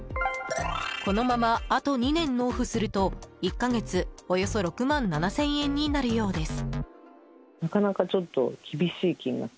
このまま、あと２年納付すると１か月およそ６万７０００円になるようです。